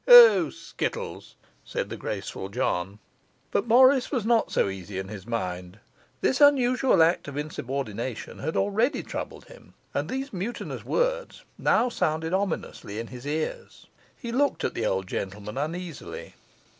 '. 'O skittles!' said the graceful John. But Morris was not so easy in his mind. This unusual act of insubordination had already troubled him; and these mutinous words now sounded ominously in his ears. He looked at the old gentleman uneasily.